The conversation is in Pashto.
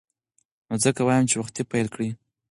نو ځکه وایم چې وختي پیل کړئ.